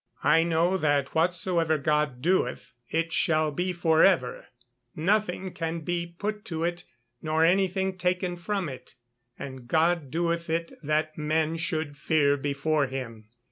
[Verse: "I know that whatsoever God doeth, it shall be for ever: nothing can be put to it, nor anything taken from it; and God doeth it that men should fear before him."